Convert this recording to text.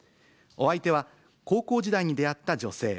お相手は、高校時代に出会った女性。